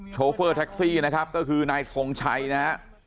โฟเฟอร์แท็กซี่นะครับก็คือนายทรงชัยนะฮะ